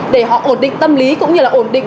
để họ ổn định tâm lý cũng như là ổn định